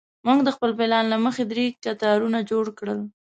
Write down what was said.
موږ د خپل پلان له مخې درې کتارونه جوړ کړل.